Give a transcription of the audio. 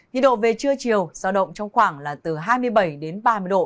nhiệt độ về trưa chiều giao động trong khoảng là từ hai mươi bảy đến ba mươi độ